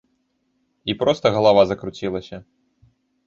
І проста галава закруцілася!